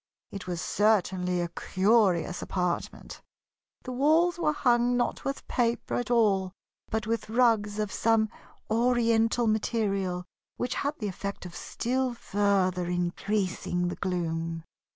It was certainly a curious apartment. The walls were hung not with paper at all, but with rugs of some Oriental material which had the effect of still further increasing the gloom.